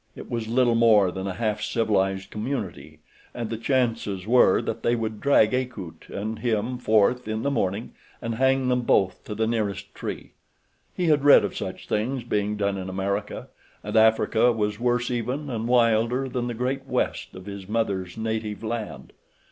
It was little more than a half civilized community, and the chances were that they would drag Akut and him forth in the morning and hang them both to the nearest tree—he had read of such things being done in America, and Africa was worse even and wilder than the great West of his mother's native land.